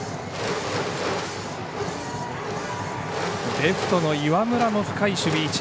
レフトの岩村も深い守備位置。